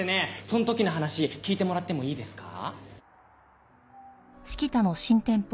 そん時の話聞いてもらってもいいですか？